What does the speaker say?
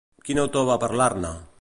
Quin autor va parlar-ne?